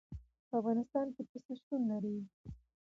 په افغانستان کې پسه شتون لري.